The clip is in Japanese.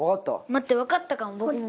待ってわかったかも僕も。